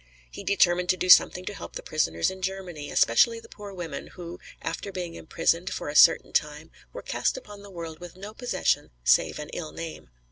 He determined to do something to help the prisoners in Germany, especially the poor women, who, after being imprisoned for a certain time, were cast upon the world with no possession save an ill name.